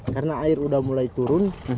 karena air sudah mulai turun